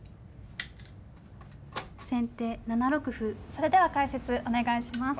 それでは解説お願いします。